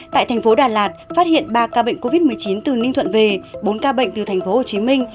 tại thành phố đà lạt phát hiện ba ca bệnh covid một mươi chín từ ninh thuận về bốn ca bệnh từ thành phố hồ chí minh